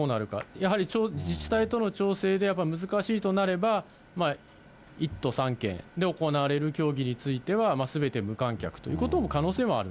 やはり自治体との調整でやっぱり難しいとなれば、１都３県で行われる競技については、すべて無観客ということも可能性もある。